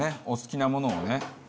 お好きなものをね。